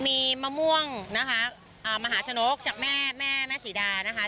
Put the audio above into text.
มีมะม่วงนะคะมหาชนกจากแม่แม่ศรีดานะคะ